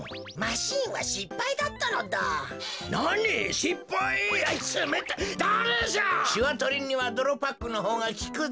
しわとりにはどろパックのほうがきくぞ！